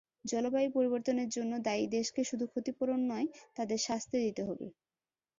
জলবায়ু পরিবর্তনের জন্য দায়ী দেশকে শুধু ক্ষতিপূরণ নয়, তাদের শাস্তি দিতে হবে।